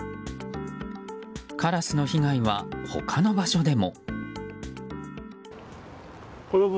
カラスの被害は、他の場所でも。